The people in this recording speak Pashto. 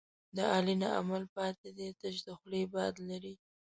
د علي نه عمل پاتې دی، تش د خولې باد لري.